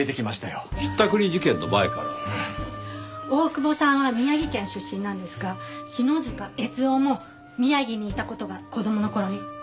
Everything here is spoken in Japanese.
大久保さんは宮城県出身なんですが篠塚悦雄も宮城にいた事が子供の頃に。